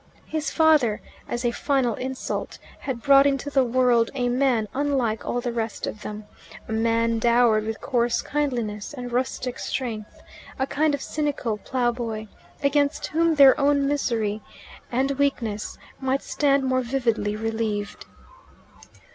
His father, as a final insult, had brought into the world a man unlike all the rest of them, a man dowered with coarse kindliness and rustic strength, a kind of cynical ploughboy, against whom their own misery and weakness might stand more vividly relieved.